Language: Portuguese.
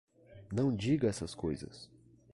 Não diga essas coisas!